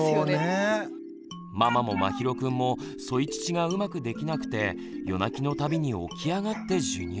ママもまひろくんも添い乳がうまくできなくて夜泣きの度に起き上がって授乳。